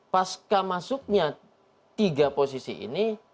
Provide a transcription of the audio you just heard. pasca masuknya tiga posisi ini